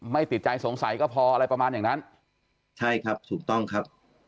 ไม่ติดใจสงสัยก็พออะไรประมาณอย่างนั้นใช่ครับถูกต้องครับ